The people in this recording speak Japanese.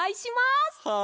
はい。